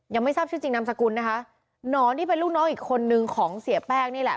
ยังไม่ทราบชื่อจริงนามสกุลนะคะหนอนที่เป็นลูกน้องอีกคนนึงของเสียแป้งนี่แหละ